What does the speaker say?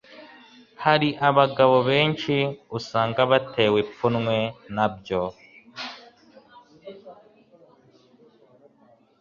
Hari abagabo benshi usanga baterwa ipfunwe nabyo